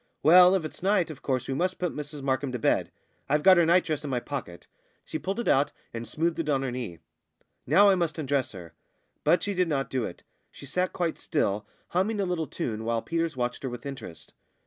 "Well, if it's night, of course we must put Mrs Markham to bed. I've got her nightdress in my pocket." She pulled it out and smoothed it on her knee. "Now, I must undress her." But she did not do it; she sat quite still, humming a little tune, while Peters watched her with interest.